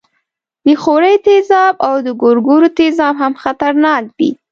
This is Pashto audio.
د ښورې تیزاب او د ګوګړو تیزاب هم خطرناک دي.